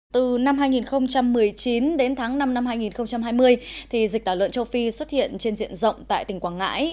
từ năm hai nghìn một mươi chín đến tháng năm năm hai nghìn hai mươi dịch tả lợn châu phi xuất hiện trên diện rộng tại tỉnh quảng ngãi